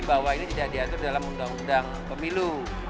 bahwa ini tidak diatur dalam undang undang pemilu